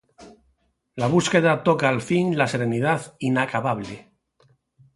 La búsqueda toca al fin: la serenidad inacabable.